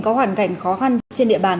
có hoàn cảnh khó khăn trên địa bàn